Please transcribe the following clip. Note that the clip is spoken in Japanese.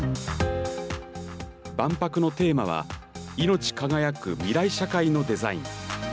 万博のテーマはいのち輝く未来社会のデザイン。